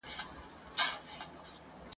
چي دروازې وي د علم بندي !.